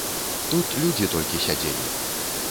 Тут людзі толькі сядзелі.